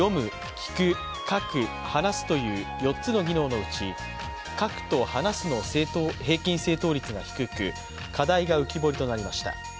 ・聞く・書く・話すという４つの技能のうち、書くと話すの平均正答率が低く、課題が浮き彫りとなりました。